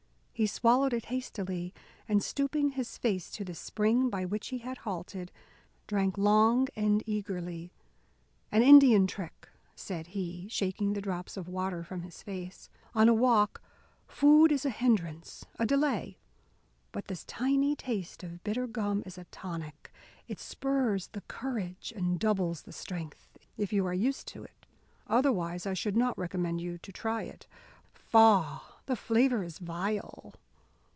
He swallowed it hastily, and stooping his face to the spring by which he had halted, drank long and eagerly. "An Indian trick," said he, shaking the drops of water from his face. "On a walk, food is a hindrance, a delay. But this tiny taste of bitter gum is a tonic; it spurs the courage and doubles the strength if you are used to it. Otherwise I should not recommend you to try it. Faugh! the flavour is vile."